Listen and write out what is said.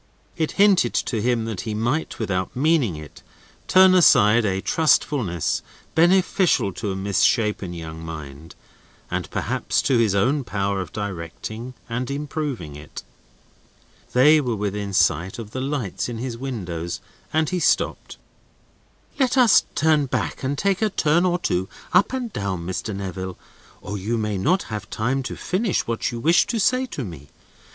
It hinted to him that he might, without meaning it, turn aside a trustfulness beneficial to a mis shapen young mind and perhaps to his own power of directing and improving it. They were within sight of the lights in his windows, and he stopped. "Let us turn back and take a turn or two up and down, Mr. Neville, or you may not have time to finish what you wish to say to me.